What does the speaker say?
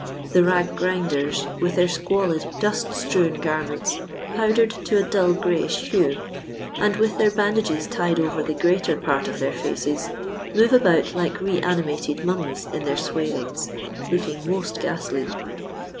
The rag grinders, with their iqnalid, dnst^trewn garments, powdered to a dull grayish hue, and with their bandages tied over the greater part of their faces, move about like reanimated mummies in their swathings, looking most ghastly.